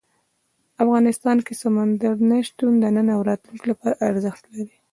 افغانستان کې سمندر نه شتون د نن او راتلونکي لپاره ارزښت لري.